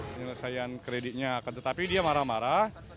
selesaian kreditnya tetapi dia marah marah